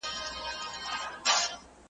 اعلان یې کړی پر ټوله ښار دی .